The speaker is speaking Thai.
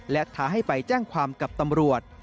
และท้าให้ไปแจ้งความกับตำรวจ